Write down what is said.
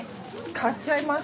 買っちゃいます。